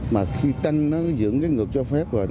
mà khi tăng nó dưỡng cái ngược cho phép rồi